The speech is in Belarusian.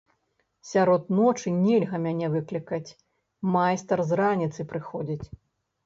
Сярод ночы нельга мяне выклікаць, майстар з раніцы прыходзіць.